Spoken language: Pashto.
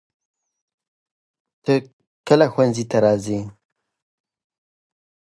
د نجونو ښوونځی د ټولنې پیاوړتیا او پرمختګ لپاره اړین دی.